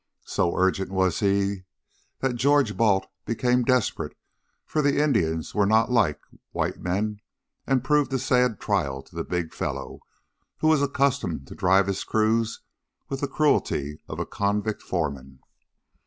So urgent was he that George Balt became desperate; for the Indians were not like white men, and proved a sad trial to the big fellow, who was accustomed to drive his crews with the cruelty of a convict foreman.